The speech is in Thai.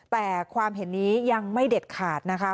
แต่ความเห็นนี้ยังไม่เด็ดขาดนะคะ